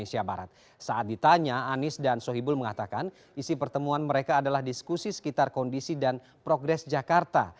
saat ditanya anies dan sohibul mengatakan isi pertemuan mereka adalah diskusi sekitar kondisi dan progres jakarta